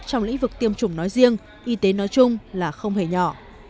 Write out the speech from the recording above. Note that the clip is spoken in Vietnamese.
trong lĩnh vực tiêm chủng nói riêng y tế nói chung là không hề nhỏ